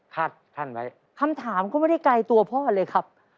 คำถามก็ไม่ได้ไกลตัวพ่อเลยครับ